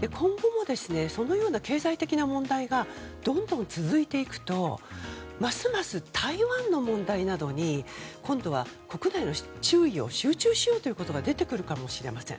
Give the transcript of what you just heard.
今後もそのような経済的な問題がどんどん続いていくとますます台湾の問題などに今度は、国内の注意を集中しようということが出てくるかもしれません。